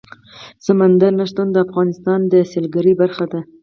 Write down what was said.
سمندر نه شتون د افغانستان د سیلګرۍ برخه ده.